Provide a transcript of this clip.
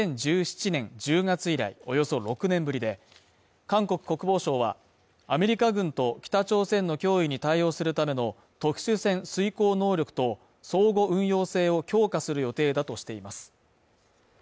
ミサイル原子力潜水艦が韓国を訪問するのは２０１７年１０月以来、およそ６年ぶりで、韓国国防省は、アメリカ軍と北朝鮮の脅威に対応するための特殊戦遂行能力と相互運用性を強化する予定だとしています。